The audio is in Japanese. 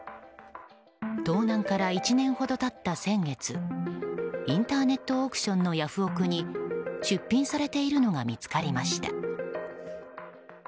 盗難から１年ほど経った先月インターネットオークションのヤフオク！に出品されているのが見つかりました。